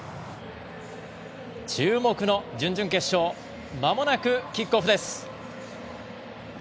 注目の準々決勝まもなくキックオフです。